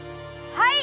はい！